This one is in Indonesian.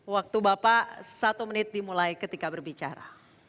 waktu bapak satu menit dimulai ketika berbicara